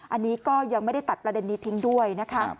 อันนี้ก็ยังไม่ได้ตัดประเด็นนี้ทิ้งด้วยนะคะ